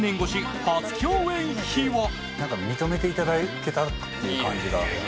何か認めていただけたっていう感じが。